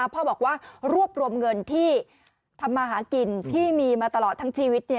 พ่อบอกว่ารวบรวมเงินที่ทำมาหากินที่มีมาตลอดทั้งชีวิต